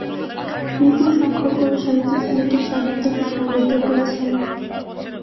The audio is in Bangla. বিপুল সংখ্যক কবি-সাহিত্যিক সিলেটি সাহিত্যকে সমৃদ্ধ করেছেন।